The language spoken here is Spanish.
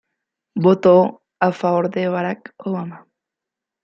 Votó a favor de Barack Obama.